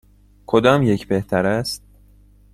کدام یک بهتر است؟